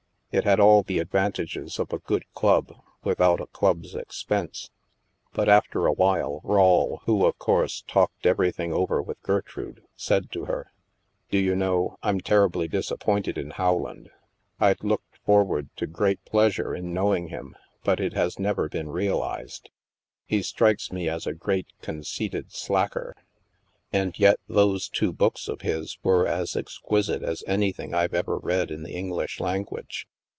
It had all the advantages of a good club with out a club's expense. But after awhile Rawle, who of course talked everything over with Gertrude, said to her :" Do you know, Fm terribly disappointed in How land, rd looked forward to great pleasure in know ing him, but it has never been realized. He strikes me as a great conceited slacker ! And yet those two books of his were as exquisite as anything Fve ever read in the English language."